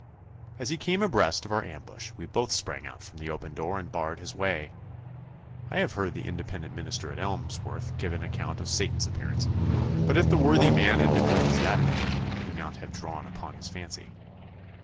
As he came abreast of our ambush we both sprang out from the open door and barred his way. I have heard the Independent minister at Emsworth give an account of Satan's appearance, but if the worthy man had been with us that day, he need not have drawn upon his fancy.